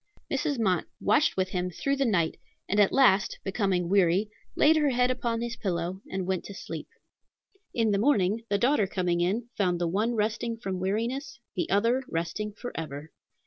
Mrs. Mott watched with him through the night, and at last, becoming weary, laid her head upon his pillow and went to sleep. In the morning, the daughter coming in, found the one resting from weariness, the other resting forever.